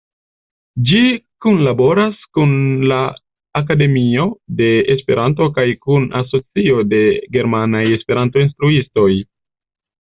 Ĝi kunlaboras kun la Akademio de Esperanto kaj kun Asocio de Germanaj Esperanto-Instruistoj.